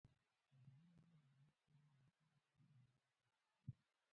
ازادي راډیو د ورزش په اړه د امنیتي اندېښنو یادونه کړې.